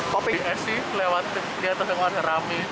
di es sih lewat dia terkenal rame